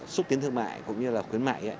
xúc tiến thương mại cũng như là khuyến mại